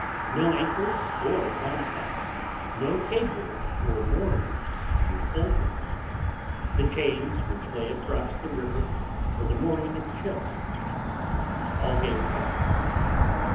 No Anchors or Landfast, no Cables or Moorings would hold them, the Chains which lay cross the River for the mooring of Ships, all gave way.